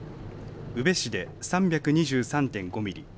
宇部市で３２３．５ミリ